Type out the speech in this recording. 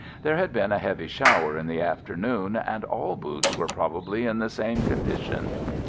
There had been a heavy shower in the afternoon, and all boots were probably in the same condition.